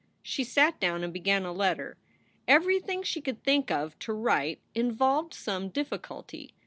She sat down and began a letter. Everything she could think of to write involved some difficulty.